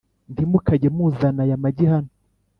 Nti mukajye muzana aya magi hano